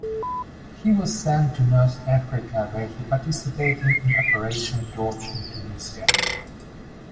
He was sent to North Africa, where he participated in Operation Torch in Tunisia.